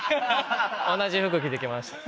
同じ服着て来ました。